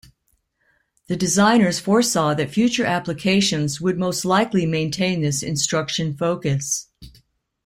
The designers foresaw that future applications would most likely maintain this instruction focus.